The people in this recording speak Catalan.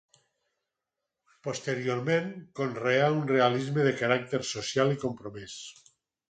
Posteriorment conreà un realisme de caràcter social i compromès.